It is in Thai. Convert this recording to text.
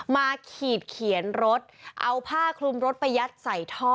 ขีดเขียนรถเอาผ้าคลุมรถไปยัดใส่ท่อ